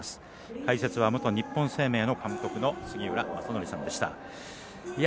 解説は元日本生命の監督の杉浦正則さんでした。